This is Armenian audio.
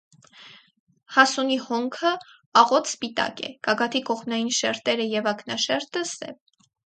Հասունի հոնքը աղոտ սպիտակ է, գագաթի կողմնային շերտերը և ակնաշերտը՝ սև։